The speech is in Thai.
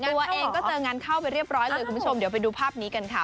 ตัวเองก็เจองานเข้าไปเรียบร้อยเลยคุณผู้ชมเดี๋ยวไปดูภาพนี้กันค่ะ